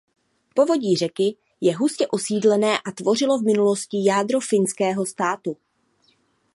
Povodí řeky je hustě osídlené a tvořilo v minulosti jádro finského státu.